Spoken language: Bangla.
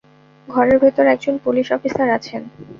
ঘরের ভেতর একজন পুলিশ অফিসার আছেন।